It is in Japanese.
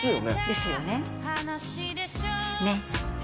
ですよね。ね？